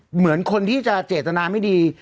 เหมือนคนที่จะเจตนาไม่ดี